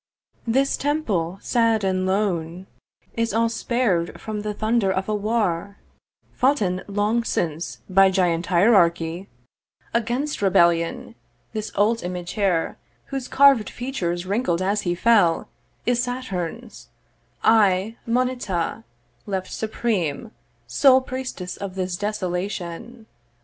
'This temple, sad and lone, 'Is all spar'd from the thunder of a war 'Foughten long since by giant hierarchy 'Against rebellion: this old image here, 'Whose carved features wrinkled as he fell, 'Is Saturn's; I Moneta, left supreme 'Sole priestess of this desolation.'